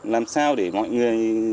làm sao để mọi người